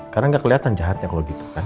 karena gak kelihatan jahatnya kalau gitu kan